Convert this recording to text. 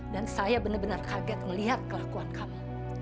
dan saya benar benar kaget melihat kelakuan kamu